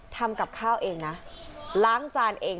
ทำกับข้าวเองนะล้างจานเอง